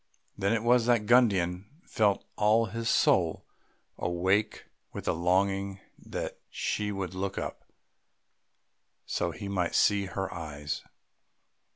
Then it was that Gundian felt all his soul awake with the longing that she would look up, so that he might see her eyes....